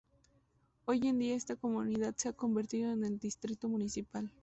Hoy en día esta comunidad se ha convertido en distrito municipal.